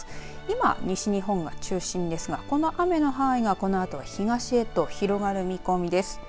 今は西日本が中心ですがこの雨の範囲がこのあと東へと広がる見込みです。